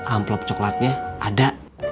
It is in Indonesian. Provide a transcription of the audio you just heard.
amplop coklatnya ada